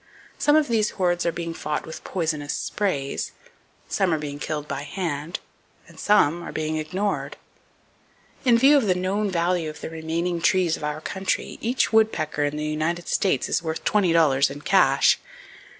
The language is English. Some of these hordes are being fought with poisonous sprays, some are being killed by hand, and some are being ignored. In view of the known value of the remaining trees of our country, each woodpecker in the United States is worth twenty dollars in cash.